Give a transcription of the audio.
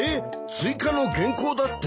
追加の原稿だって？